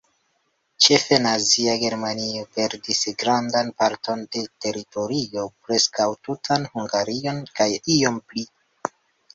Ĉefe Nazia Germanio perdis grandan parton de teritorio, preskaŭ tutan Hungarion kaj iom pli.